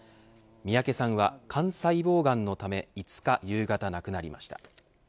三宅さんは肝細胞がんのため５日夕方、亡くなりました。